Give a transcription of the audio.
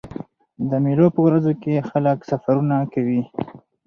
د مېلو په ورځو کښي خلک سفرونه کوي.